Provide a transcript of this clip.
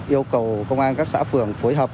yêu cầu công an các xã phường phối hợp